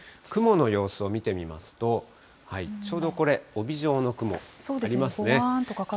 雲の様子を見てみますと、ちょうどこれ、帯状の雲ありますね。